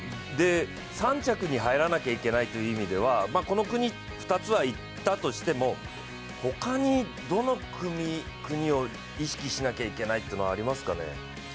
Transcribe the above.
３着に入らなきゃいけないという意味では、この２つの国はいったとしても他にどの国を意識しなきゃいけないというのはありますかね。